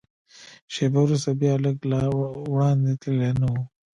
شېبه وروسته بیا، لږ لا وړاندې تللي نه و.